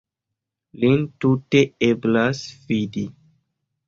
Lin tute eblas fidi.